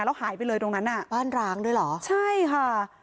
แล้วหายไปเลยตรงนั้นอ่ะบ้านร้างด้วยเหรอใช่ค่ะ